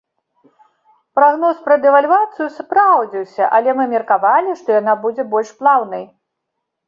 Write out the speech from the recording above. Прагноз пра дэвальвацыю спраўдзіўся, але мы меркавалі, што яна будзе больш плаўнай.